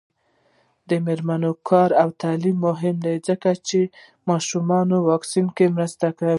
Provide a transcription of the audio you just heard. د میرمنو کار او تعلیم مهم دی ځکه چې ماشومانو واکسین مرسته ده.